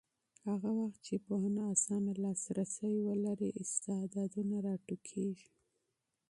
هغه مهال چې پوهنه اسانه لاسرسی ولري، استعدادونه راټوکېږي.